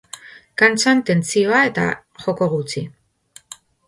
Kantxan tentsioa eta joko gutxi.